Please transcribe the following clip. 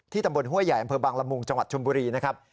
ตำบลห้วยใหญ่อำเภอบางละมุงจังหวัดชมบุรีนะครับ